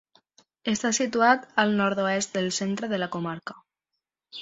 Està situat al nord-oest del centre de la comarca.